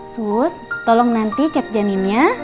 sus tolong nanti cek janinnya